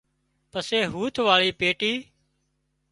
پسي هوٿ واۯي پيٽي